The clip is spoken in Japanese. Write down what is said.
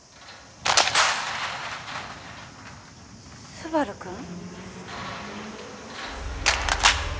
「」昴くん？「」「」